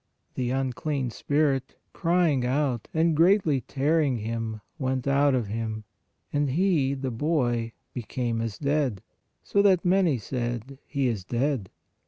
(The unclean THE LUNATIC CHILD 101 spirit) crying out and greatly tearing him, went out of him, and he (the boy) became as dead, so that many said : He is dead.